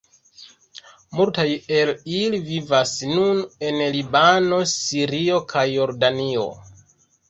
Multaj el ili vivas nun en Libano, Sirio kaj Jordanio.